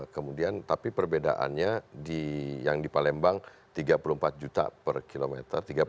kemudian tapi perbedaannya yang di palembang tiga puluh empat juta per kilometer